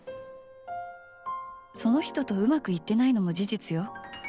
その人とうまくいってないのも事実よ。